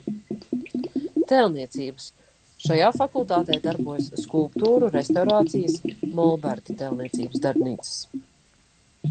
Tēlniecības – šajā fakultātē darbojas skulptūru restaurācijas, molberta tēlniecības darbnīcas.